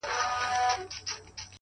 پرمختګ د عذرونو پای ته اړتیا لري’